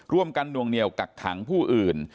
ร่วมกันดวงเหนียวกักขังผู้อื่น